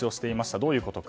どういうことか。